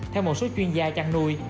theo một số chuyên gia chăn nuôi